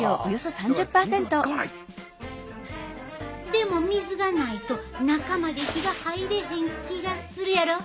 でも水がないと中まで火が入れへん気がするやろ？